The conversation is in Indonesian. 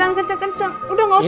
jangan kenceng kenceng udah gak usah